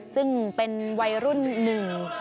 ซึ่งเป็นวัยรุ่นหนึ่ง